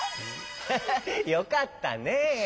ハハよかったね。